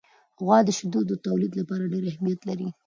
غوا د شیدو د تولید لپاره ډېر اهمیت لري.